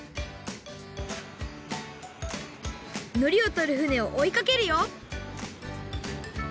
のりをとる船をおいかけるよ！